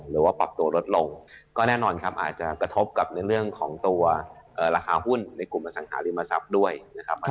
หรือว่าปรับตัวลดลงก็แน่นอนครับอาจจะกระทบกับในเรื่องของตัวราคาหุ้นในกลุ่มอสังหาริมทรัพย์ด้วยนะครับ